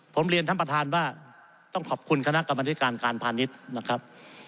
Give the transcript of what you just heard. ผมเรียนท่านประธานว่าต้องขอบคุณคณะกรรมธิการการพาณิชย์นะครับ